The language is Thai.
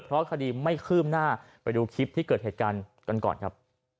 เพราะคดีไม่คืบหน้าไปดูคลิปที่เกิดเหตุการณ์กันก่อนครับ